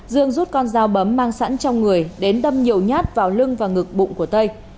dương rút con dao bấm mang sẵn trong người đến đâm nhiều nhát vào lưng và ngực bụng của tây